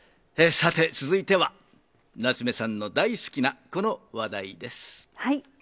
さて、続いては、夏目さんの大好きなこの話題です。